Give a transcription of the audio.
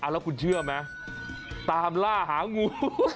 แล้วคุณเชื่อไหมตามล่าหางู